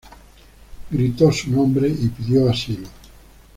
Gritó su nombre y pidió asilo.